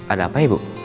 ada apa ibu